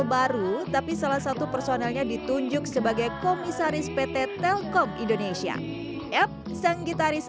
baru tapi salah satu personelnya ditunjuk sebagai komisaris pt telkom indonesia yap sang gitaris